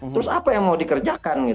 terus apa yang mau dikerjakan